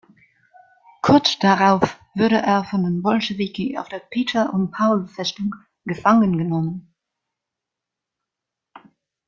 Kurz darauf wurde er von den Bolschewiki auf der Peter-und-Paul-Festung gefangen genommen.